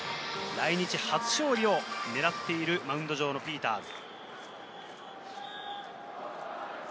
来日初勝利をねらっているマウンド上のピーターズ。